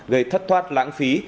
gây thất thoát lãng phí